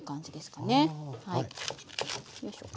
よいしょ。